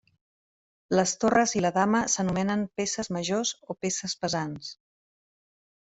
Les torres i la dama s'anomenen peces majors, o peces pesants.